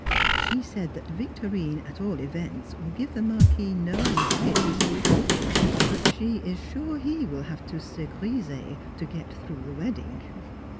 She said that Victorine at all events will give the Marquis no anxieties in the future, but she is sure he will have to "se griser" to get through the wedding.